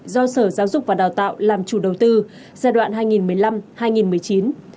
do sở giáo dục và đào tạo làm chủ đầu tư giai đoạn hai nghìn một mươi năm hai nghìn một mươi chín